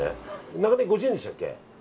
長ネギ５０円でしたっけ。